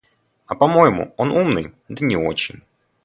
А по-моему, он умный, да не очень.